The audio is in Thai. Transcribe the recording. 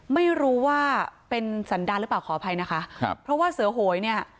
ไม่รู้ว่าเป็นสันดาหรือเปล่าขออภัยนะคะครับเพราะว่าเสือโหยเนี่ย